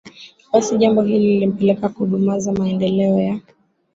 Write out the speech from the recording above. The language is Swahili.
basi jambo hili lilipelekea kudumaza maendeleo ya